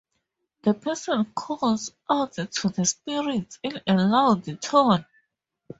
The person calls out to the spirits in a loud tone.